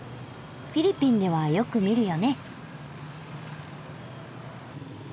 フィリピンではよく見るよね。